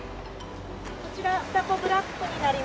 こちらフタコブラックになります。